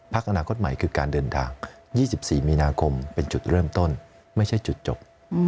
อนาคตใหม่คือการเดินทาง๒๔มีนาคมเป็นจุดเริ่มต้นไม่ใช่จุดจบ